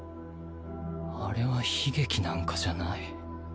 あれは悲劇なんかじゃない